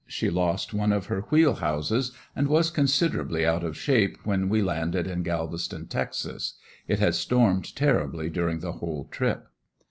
She lost one of her wheel houses and was considerably out of shape when we landed in Galveston, Texas. It had stormed terribly during the whole trip.